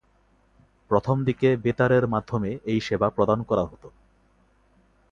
প্রথম দিকে বেতারের মাধ্যমে এই সেবা প্রদান করা হতো।